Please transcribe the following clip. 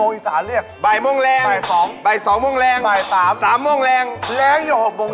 เออเออเออเออเออเออเออเออเออเออ